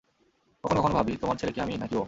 কখনো কখনো ভাবি, তোমার ছেলে কি আমি না-কি ও?